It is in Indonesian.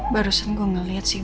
barusan gua gak liat sih